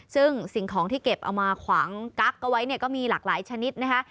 ซึ่งสิ่งของที่เก็บเอามาขวางกั๊กเอาไว้เนี่ยก็มีหลากหลายชนิดนะคะ